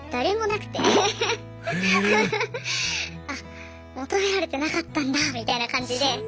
あっ求められてなかったんだみたいな感じで。